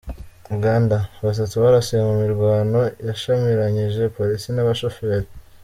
Uganda: Batatu barasiwe mu mirwano yashyamiranyije polisi n’ abashoferi .